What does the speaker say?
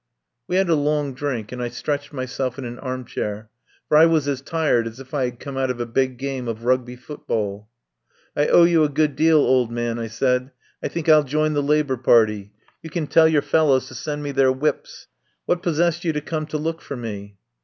We had a long drink and I stretched my self in an armchair, for I was as tired as if I had come out of a big game of Rugby foot ball. "I owe you a good deal, old man," I said. "I think I'll join the Labour Party. You can tell your fellows to send me their whips. What possessed you to come to look for me?"